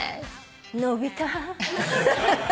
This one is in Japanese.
伸びた。